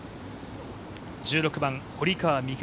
１６番、堀川未来